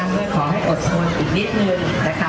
เพื่อขอให้อดทนอีกนิดนึง